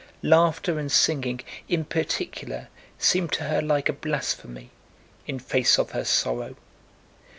Laughter and singing in particular seemed to her like a blasphemy, in face of her sorrow.